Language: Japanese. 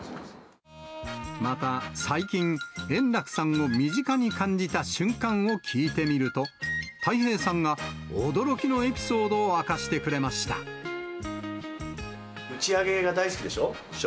また、最近、円楽さんを身近に感じた瞬間を聞いてみると、たい平さんが驚きの打ち上げが大好きでしょ、師匠。